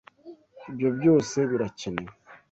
Ibyo byose birakenewe?